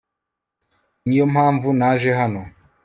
niyo mpamvu naje hano